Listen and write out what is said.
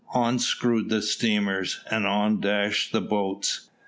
On screwed the steamers, and on dashed the boats.